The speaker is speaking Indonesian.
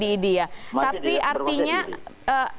masih di dalam proses penyidikan